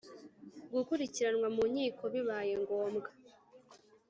gukurikiranwa mu nkiko bibaye ngombwa